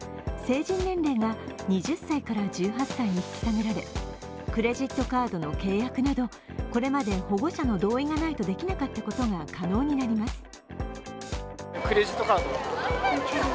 成人年齢が２０歳から１８歳に引き下げられクレジットカードなどの契約など、これまで保護者の同意がないとできなかったことが可能になります。